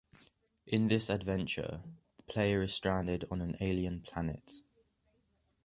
In this adventure, the player is stranded on an alien planet.